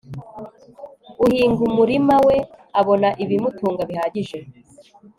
uhinga umurima we abona ibimutunga bihagije